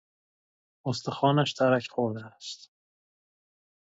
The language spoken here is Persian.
استخوانش ترک خورده است.